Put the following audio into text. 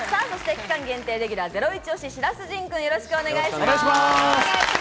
期間限定レギュラー、ゼロイチ推しの白洲迅くん、よろしくお願いします。